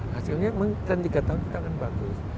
hasilnya menteri tiga tahun kita akan bagus